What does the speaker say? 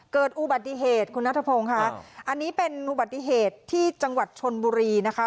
เกิดอุบัติเหตุคุณนัทพงศ์ค่ะอันนี้เป็นอุบัติเหตุที่จังหวัดชนบุรีนะคะ